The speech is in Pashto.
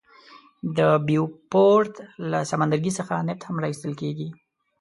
د بیوفورت له سمندرګي څخه نفت هم را ایستل کیږي.